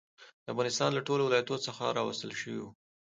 د افغانستان له ټولو ولایتونو څخه راوستل شوي وو.